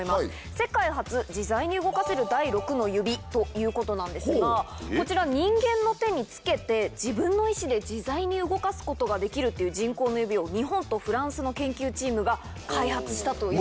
世界初自在に動かせる第６の指ということなんですがこちら人間の手に着けて自分の意思で自在に動かすことができるっていう人工の指を日本とフランスの研究チームが開発したという。